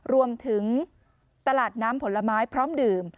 รวมถึงตลาดน้ำผลไม้พร้อมดื่ม